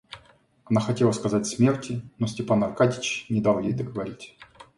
Она хотела сказать смерти, но Степан Аркадьич не дал ей договорить.